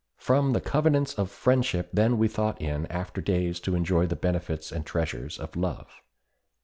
From the covenants of friendship then we thought in after days to enjoy the benefits and treasures of love.